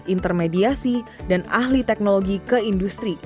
intermediasi dan ahli teknologi ke industri